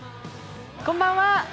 こんばんは。